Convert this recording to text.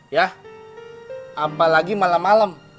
ya apalagi malam malam